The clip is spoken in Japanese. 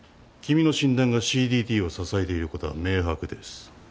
君の診断がＣＤＴを支えていることは明白です。